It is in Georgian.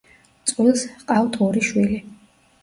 წყვილს ჰყავთ ორი შვილი.